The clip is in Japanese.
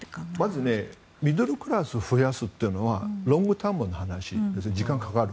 まずミドルクラスを増やすというのはロングタームの話で時間がかかる。